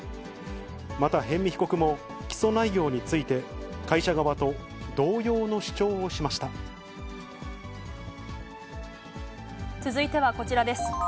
また逸見被告も、起訴内容について、会社側と同様の主張をしまし続いてはこちらです。